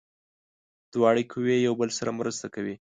دواړه قوې یو بل سره مرسته کوي.